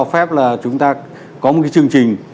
cho phép là chúng ta có một cái chương trình